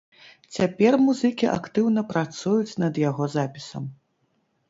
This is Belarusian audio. Цяпер музыкі актыўна працуюць над яго запісам.